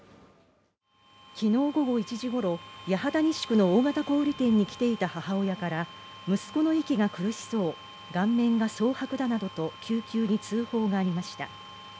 昨日午後１時ごろ、八幡西区の大型小売店に来ていた母親から息子の息が苦しそう、顔面が蒼白だなどと救急に通報がありました。